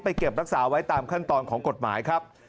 เก็บรักษาไว้ตามขั้นตอนของกฎหมายครับ